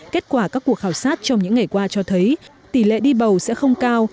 kết quả các cuộc khảo sát trong những ngày qua cho thấy tỷ lệ đi bầu sẽ không cao